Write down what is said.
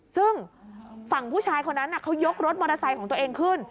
ซึ่งฝั่งผู้ชายคนนั้นเขายกรถมอเตอร์ไซค์ของตัวเองขึ้น